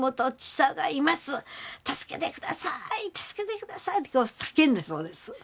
助けて下さい助けて下さい！」と叫んだそうです。